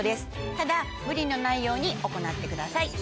ただ無理のないように行ってください。